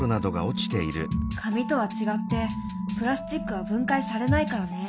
紙とは違ってプラスチックは分解されないからね。